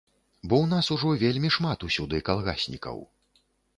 Бо ў нас ужо вельмі шмат усюды калгаснікаў.